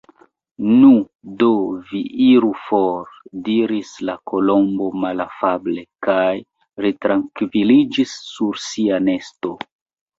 "Nu, do, vi iru for!" diris la Kolombo malafable, kaj retrankviliĝis sur sia nesto.